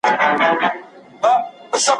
استازي د خپلو پرېکړو لپاره مسؤل دي.